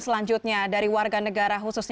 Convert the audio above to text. selanjutnya dari warga negara khususnya